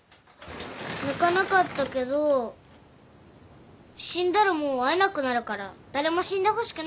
泣かなかったけど死んだらもう会えなくなるから誰も死んでほしくないな。